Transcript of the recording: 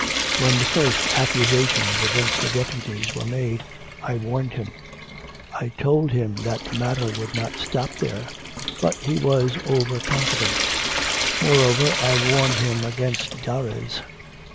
When the first accusations against the Deputies were made, I warned him. I told him that the matter would not stop there, but he was over confident. Moreover, I warned him against Darres.'